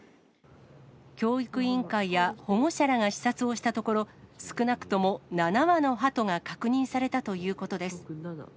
教育委員会や保護者らが視察をしたところ、少なくとも７羽のハトが確認されたということです。